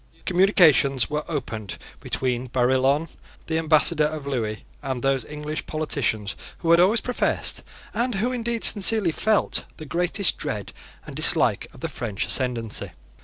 Communications were opened between Barillon, the Ambassador of Lewis, and those English politicians who had always professed, and who indeed sincerely felt, the greatest dread and dislike of the French ascendency.